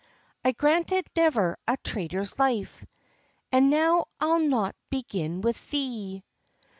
I granted never a traitor's life, And now I'll not begin with thee."